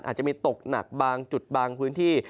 อาจจะมีตกหนักบางจุดบางพื้นที่